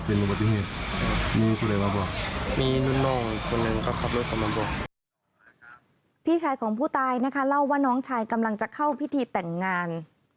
พี่ชายของผู้ตายนะคะเล่าว่าน้องชายกำลังจะเข้าพิธีแต่งงาน